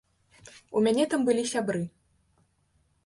У мяне там былі сябры.